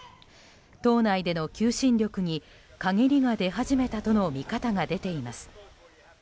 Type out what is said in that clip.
党内での求心力に陰りが出始めたとの見方が出ています。